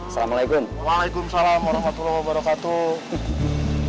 waalaikumsalam warahmatullahi wabarakatuh